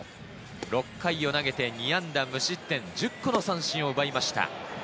６回を投げて２安打無失点、１０個の三振を奪いました。